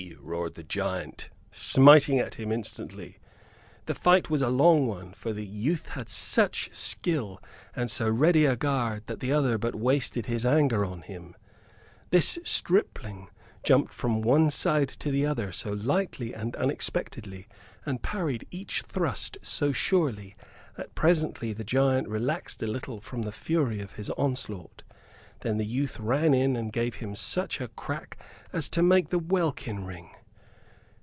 roared the giant, smiting at him instantly. The fight was a long one, for the youth had such skill and so ready a guard that the other but wasted his anger on him. This "stripling" jumped from one side to the other so lightly and unexpectedly, and parried each thrust so surely, that presently the giant relaxed a little from the fury of his onslaught. Then the youth ran in and gave him such a crack as to make the welkin ring.